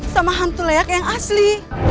sama hantu leak yang asli